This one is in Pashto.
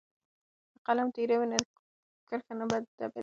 که قلم تیره وي نو کرښه نه ډبلیږي.